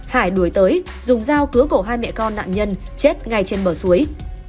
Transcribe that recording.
hải đuổi tới dùng dao cứa cổ hai mẹ con nạn nhân chết ngay trên bờ suối